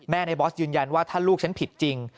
ในบอสยืนยันว่าถ้าลูกฉันผิดจริง